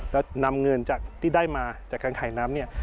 และนำเงินที่ได้มาจากการขายน้ำ